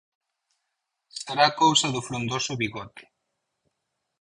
Será cousa do frondoso bigote.